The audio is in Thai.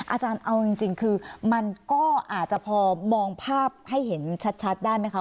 อาจารย์เอาจริงคือมันก็อาจจะพอมองภาพให้เห็นชัดได้ไหมคะ